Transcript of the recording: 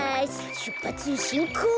しゅっぱつしんこう！